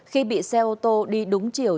khi bị xe ô tô đi đúng chiều